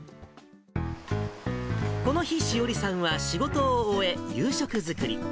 この日、詩織さんは仕事を終え、夕食作り。